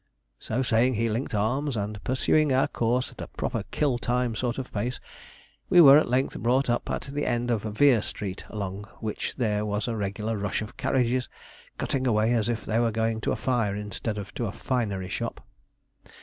So saying he linked arms, and pursuing our course at a proper kill time sort of pace, we were at length brought up at the end of Vere Street, along which there was a regular rush of carriages, cutting away as if they were going to a fire instead of to a finery shop.